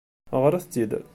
Ɣṛet-tt-id.